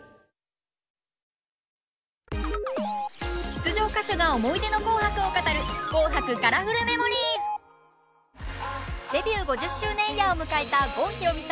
出場歌手が思い出の「紅白」を語るデビュー５０周年イヤーを迎えた郷ひろみさん。